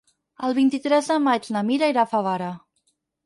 El vint-i-tres de maig na Mira irà a Favara.